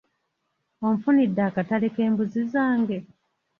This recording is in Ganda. Onfunidde akatale k'embuzi zaange?